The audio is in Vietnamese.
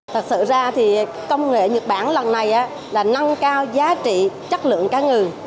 thật sự ra thì công nghệ nhật bản lần này là nâng cao giá trị chất lượng cá ngừ